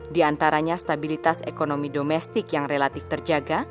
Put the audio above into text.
diantaranya stabilitas ekonomi domestik yang relatif terjaga